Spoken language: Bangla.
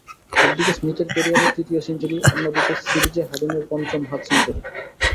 একদিকে স্মিথের ক্যারিয়ারের তৃতীয় সেঞ্চুরি, অন্যদিকে সিরিজে হাডিনের পঞ্চম হাফ সেঞ্চুরি।